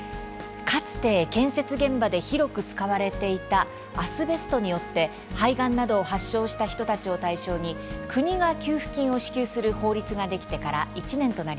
かつて建設現場で広く使われていたアスベストによって肺がんなどを発症した人たちを対象に、国が給付金を支給する法律ができてから１年となります。